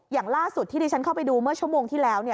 อย่างล่าสุดที่ดิฉันเข้าไปดูเมื่อชั่วโมงที่แล้ว